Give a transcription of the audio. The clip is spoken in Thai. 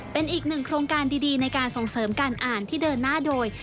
เป็นอีกหนึ่งโครงการดีในการส่งเสริมการอ่านที่เดินหน้าโดย